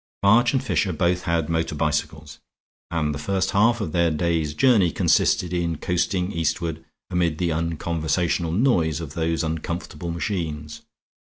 March and Fisher both had motor bicycles; and the first half of their day's journey consisted in coasting eastward amid the unconversational noise of those uncomfortable engines.